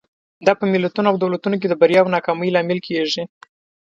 دا په ملتونو او دولتونو کې د بریا او ناکامۍ لامل کېږي.